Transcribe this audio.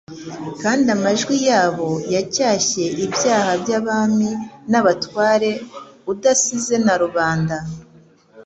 kandi amajwi yabo yacyashye ibyaha by'abami n'abatware udasize na rubanda,